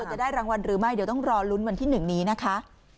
จะได้รางวัลหรือไม่เดี๋ยวต้องรอลุ้นวันที่๑นี้นะคะ